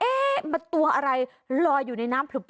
เอ๊ะมันตัวอะไรรออยู่ในน้ำผลุบ